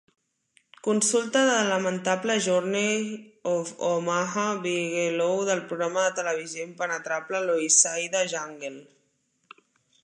Consulta The Lamentable Journey of Omaha Bigelow del programa de televisió Impenetrable Loisaida Jungle.